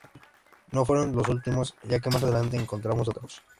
No fueron los últimos, ya que más adelante encontramos otros.